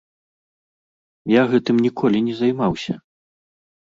Я гэтым ніколі не займаўся.